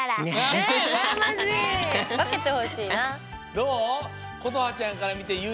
どう？